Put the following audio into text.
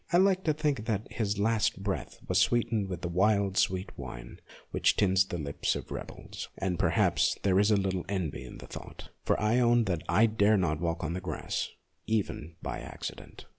I like to think that his last breath was sweetened with the wild, sweet wine which tints the lips of rebels. And perhaps there is a little envy in the thought, for I own that I dare not walk on the grass, even by accident.